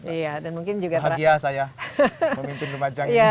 bahagia saya memimpin rumah jangin